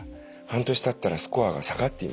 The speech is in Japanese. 半年たったらスコアが下がっていました。